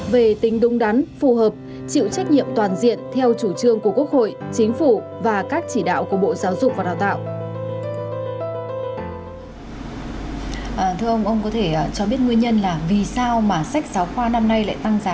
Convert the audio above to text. về tính đúng đắn phù hợp chịu trách nhiệm toàn diện theo chủ trương của quốc hội